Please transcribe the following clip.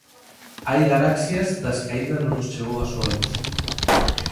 Hai galaxias das que aínda non nos chegou a súa luz.